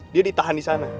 dia ditahan di sana